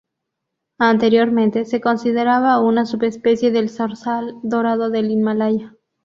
Anteriormente se consideraba una subespecie del zorzal dorado del Himalaya.